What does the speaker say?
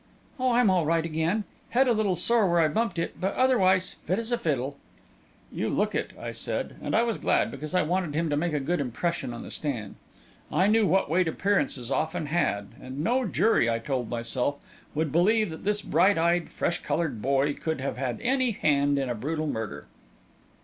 "Oh, I'm all right again head a little sore yet where I bumped it but otherwise as fit as a fiddle." "You look it!" I said; and I was glad, because I wanted him to make a good impression on the stand. I knew what weight appearances often had; and no jury, I told myself, would believe that this bright eyed, fresh coloured boy could have had any hand in a brutal murder.